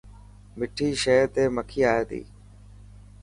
مٺي شين تي مکي اي تي.